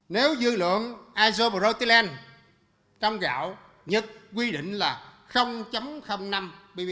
nếu dư lượng isoprotylen trong gạo nhật quy định là năm ppm